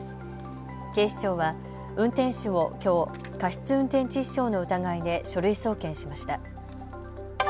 警視庁は運転手をきょう、過失運転致死傷の疑いで書類送検しました。